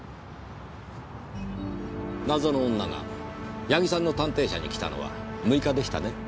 謎の女が矢木さんの探偵社に来たのは６日でしたね？